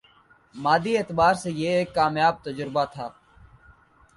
مادی اعتبار سے یہ ایک کامیاب تجربہ تھا